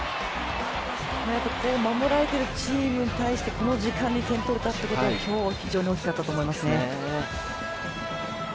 守られているチームに対して、この時間帯に点を取れたというのは、今日非常に大きかったと思います。